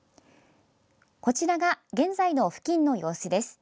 こちらが現在の付近の様子です。